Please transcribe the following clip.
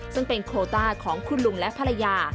ซึ่งเป็นโคต้าของคุณลุงและภรรยา